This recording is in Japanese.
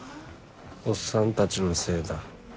おっさんたちのせいだ。